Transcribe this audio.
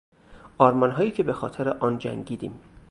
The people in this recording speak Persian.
آرمانهایی که به خاطر آن جنگیدیم.